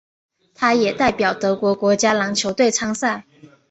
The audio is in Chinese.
他也代表德国国家篮球队参赛。